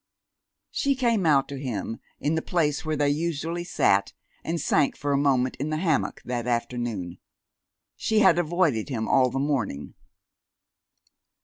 She came out to him, in the place where they usually sat, and sank for a moment in the hammock, that afternoon. She had avoided him all the morning.